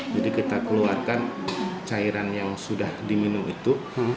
jadi kita keluarkan cairan yang sudah diminum itu